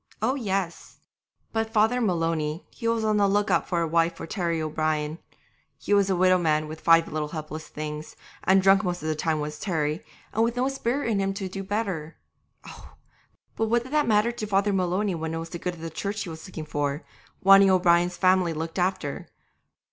Oh, yes! but Father Maloney he was on the look out for a wife for Terry O'Brien. He was a widow man with five little helpless things, and drunk most of the time was Terry, and with no spirit in him to do better. Oh! but what did that matter to Father Maloney when it was the good of the Church he was looking for, wanting O'Brien's family looked after?